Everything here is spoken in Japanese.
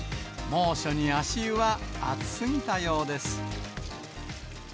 猛暑に足湯はあつすぎたようです。